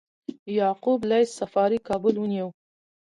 یعقوب لیث صفاري کابل ونیو